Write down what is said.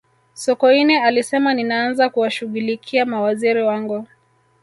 sokoine alisema ninaanza kuwashughulikia mawaziri wangu